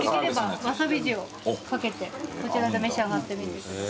こちらで召し上がってみてください。